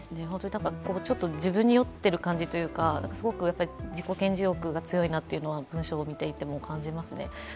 ちょっと自分に酔っている感じというか、すごく自己顕示欲が強いなというのは文章を見ていても感じますね。